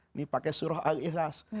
ini pakai surah al ikhlas